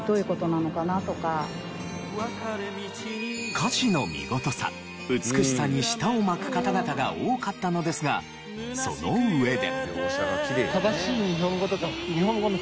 歌詞の見事さ美しさに舌を巻く方々が多かったのですがその上で。